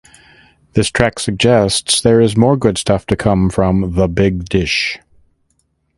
This track suggests there is more good stuff to come from the Big Dish.